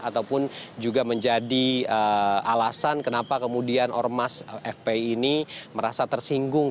ataupun juga menjadi alasan kenapa kemudian ormas fpi ini merasa tersinggung